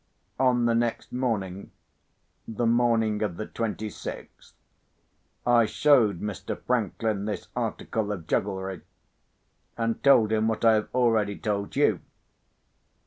On the next morning (the morning of the twenty sixth) I showed Mr. Franklin this article of jugglery, and told him what I have already told you.